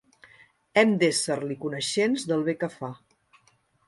Hem d'ésser-li coneixents del bé que fa.